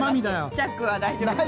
チャックは大丈夫ですか？